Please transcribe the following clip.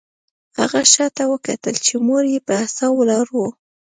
هغه شاته وکتل چې مور یې په عصا ولاړه وه